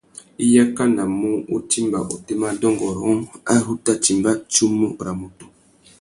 I yakanamú u timba otémá dôngôrông ari u tà timba tsumu râ mutu.